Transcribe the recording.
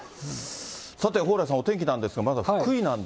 さて蓬莱さん、お天気なんですが、まず福井なんで。